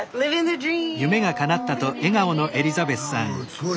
すごい。